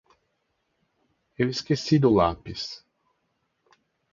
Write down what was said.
Eu esqueci do lápis.